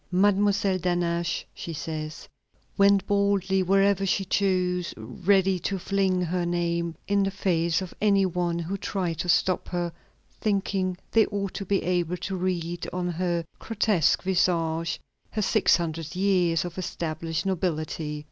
"Mademoiselle d'Hannaches," she says, "went boldly wherever she chose, ready to fling her name in the face of any one who tried to stop her, thinking they ought to be able to read on her grotesque visage her six hundred years of established nobility.